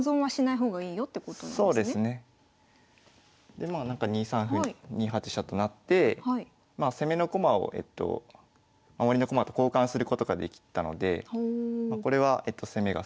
でまあなんか２三歩２八飛車となって攻めの駒を守りの駒と交換することができたのでこれは攻めが成功してるといえます。